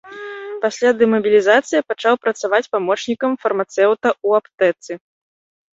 Пасля дэмабілізацыі пачаў працаваць памочнікам фармацэўта ў аптэцы.